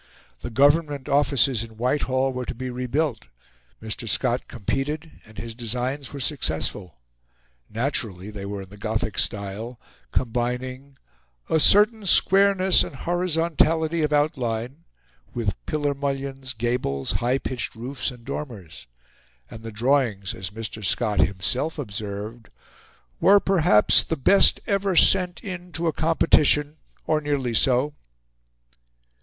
The Government offices in Whitehall were to be rebuilt; Mr. Scott competed, and his designs were successful. Naturally, they were in the Gothic style, combining "a certain squareness and horizontality of outline" with pillar mullions, gables, high pitched roofs, and dormers; and the drawings, as Mr. Scott himself observed, "were, perhaps, the best ever sent in to a competition, or nearly so."